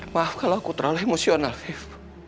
maaf kalau aku terlalu emosional five